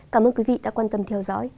cảm ơn quý vị đã quan tâm theo dõi